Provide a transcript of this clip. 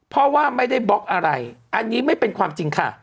เพราะว่าไม่ได้บล็อกอะไรอันนี้ไม่เป็นความจริงค่ะ